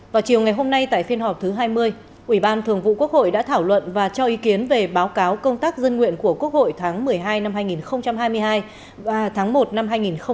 vào chiều ngày hôm nay tại phiên họp thứ hai mươi ủy ban thường vụ quốc hội đã thảo luận và cho ý kiến về báo cáo công tác dân nguyện của quốc hội tháng một mươi hai năm hai nghìn hai mươi hai và tháng một năm hai nghìn hai mươi bốn